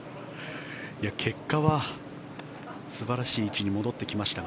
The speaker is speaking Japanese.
結果は、素晴らしい位置に戻ってきましたが。